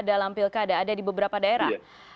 dalam pilkada ada di beberapa daerah